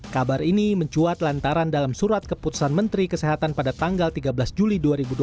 kabar ini mencuat lantaran dalam surat keputusan menteri kesehatan pada tanggal tiga belas juli dua ribu dua puluh